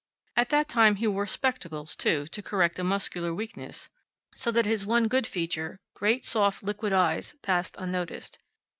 At that time he wore spectacles, too, to correct a muscular weakness, so that his one good feature great soft, liquid eyes passed unnoticed.